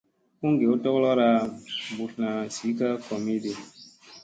U ngew togolora mbutlna zi ka komiɗi.